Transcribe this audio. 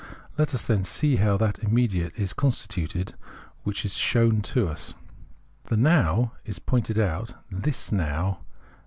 Let us, then, see how that immediate is con stituted, which is shown to us. The Now is pointed out ; this Now.